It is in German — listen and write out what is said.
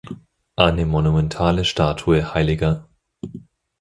Eine monumentale Statue hl.